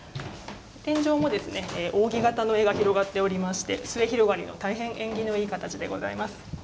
天井も、扇形の絵が広がっておりまして末広がりの大変縁起のいい形でございます。